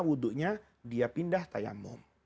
wudhunya dia pindah tayamu